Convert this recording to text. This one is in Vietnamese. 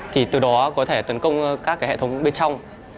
thì từ đó có thể tấn công các cái hệ thống bên trong